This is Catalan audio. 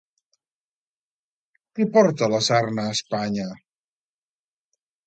Qui porta la sarna a Espanya?